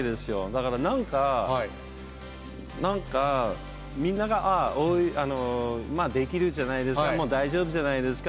だからなんか、なんか、みんながまあできるじゃないですけど、もう大丈夫じゃないですか。